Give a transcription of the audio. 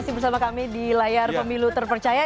masih bersama kami di layar pemilu terpercaya